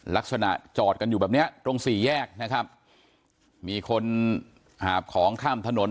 ลักษณะจอดกันอยู่แบบเนี้ยตรงสี่แยกนะครับมีคนหาบของข้ามถนน